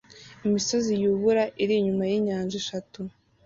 Imisozi yubura iri inyuma yinyanja eshatu